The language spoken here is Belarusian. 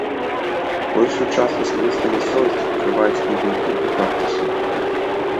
Большую частку скалістай мясцовасці пакрываюць хмызнякі і кактусы.